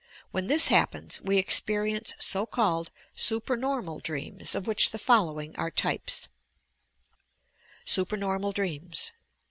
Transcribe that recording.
When this happens, we experience so called "super normal dreams" of which the following are types: SUPERNORMAL IHtEAMS 1.